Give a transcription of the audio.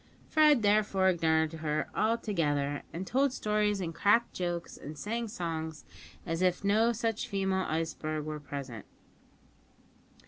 Fred therefore ignored her altogether, and told stories and cracked jokes and sang songs as if no such female iceberg were present.